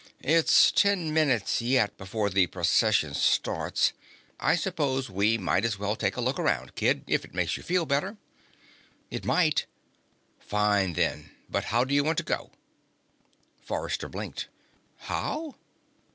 "It's ten minutes yet before the Procession starts. I suppose we might as well take a look around, kid, if it makes you feel better." "It might." "Fine, then. But how do you want to go?" Forrester blinked. "How?"